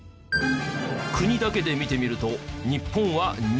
国だけで見てみると日本は２位。